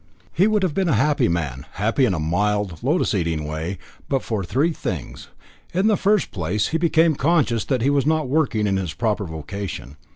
He would have been a happy man, happy in a mild, lotus eating way, but for three things. In the first place, he became conscious that he was not working in his proper vocation.